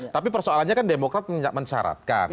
tapi persoalannya kan demokrat mensyaratkan